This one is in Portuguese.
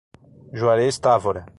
Juarez Távora